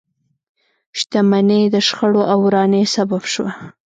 شتمنۍ د شخړو او ورانۍ سبب شوه.